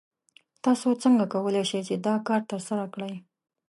تاسو څنګه کولی شئ چې دا کار ترسره کړئ؟